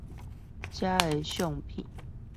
這些照片